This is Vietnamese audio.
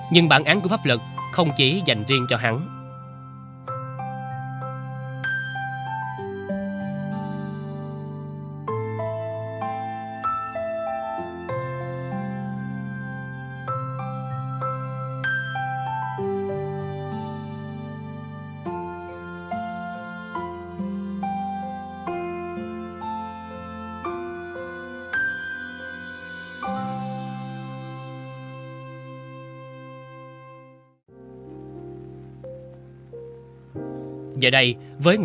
nhưng bản án của pháp lực không chỉ dành riêng cho hắn